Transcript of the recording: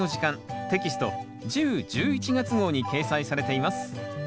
テキスト１０・１１月号に掲載されています。